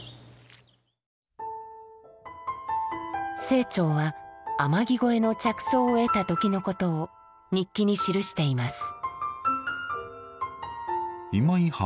清張は「天城越え」の着想を得た時のことを日記に記しています。